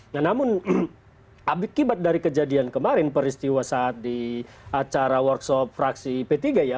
nah namun akibat dari kejadian kemarin peristiwa saat di acara workshop fraksi p tiga ya